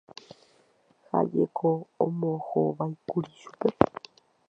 Ha jeko ombohováikuri chupe